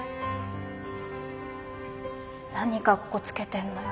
何かっこつけてんのよ。